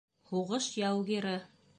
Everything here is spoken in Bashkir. Һуғыш яугиры.